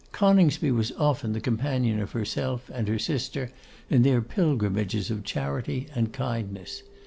Coningsby was often the companion of herself and her sister in their pilgrimages of charity and kindness.